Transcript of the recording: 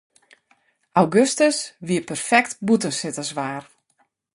Augustus wie perfekt bûtensitterswaar.